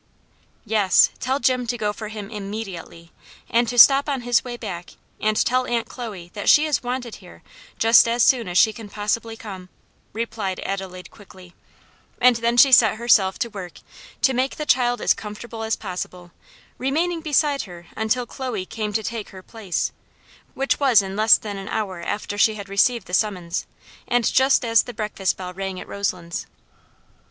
"Yes, tell Jim to go for him immediately, and to stop on his way back and tell Aunt Chloe that she is wanted here just as soon as she can possibly come," replied Adelaide quickly, and then she set herself to work to make the child as comfortable as possible, remaining beside her until Chloe came to take her place, which was in less than an hour after she had received the summons, and just as the breakfast bell rang at Roselands.